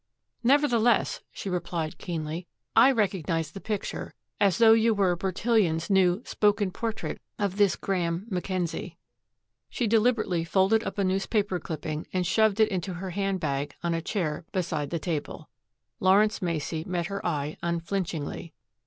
"Nevertheless," she replied keenly, "I recognize the picture as though you were Bertillon's new 'spoken portrait' of this Graeme Mackenzie." She deliberately folded up a newspaper clipping and shoved it into her hand bag on a chair beside the table. Lawrence Macey met her eye unflinchingly.